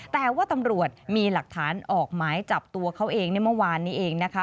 แต่ว่าตำรวจมีหลักฐานออกหมายจับตัวเขาเองในเมื่อวานนี้เองนะคะ